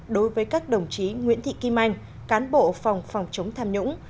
đối với các đồng chí nguyễn thị kim anh cán bộ phòng phòng chống tham nhũng